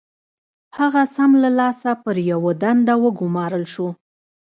هغه سم له لاسه پر يوه دنده وګومارل شو.